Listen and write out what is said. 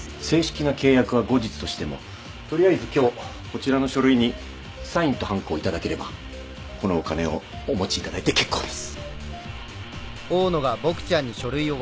正式な契約は後日としても取りあえず今日こちらの書類にサインとはんこを頂ければこのお金をお持ちいただいて結構です。